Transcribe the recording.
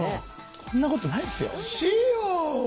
こんなことないですよ。